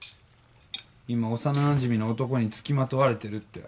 今幼なじみの男に付きまとわれてるって。